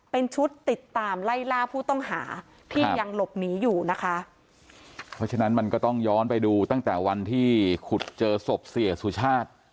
เป็นชุดติดตามไล่ล่าผู้ต้องหาที่ยังหลบหนีอยู่นะคะเพราะฉะนั้นมันก็ต้องย้อนไปดูตั้งแต่วันที่ขุดเจอศพเสียสุชาติ